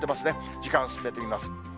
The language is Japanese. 時間進めてみます。